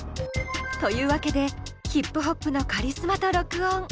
というわけでヒップホップのカリスマと録音。